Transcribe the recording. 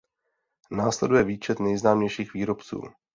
Následuje výčet nejznámějších výrobců.